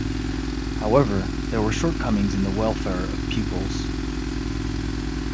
However, there were shortcomings in the welfare of pupils.